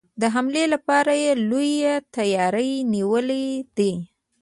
د حملې لپاره یې لويه تیاري نیولې ده.